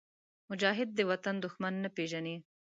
مجاهد د وطن دښمن نه پېژني.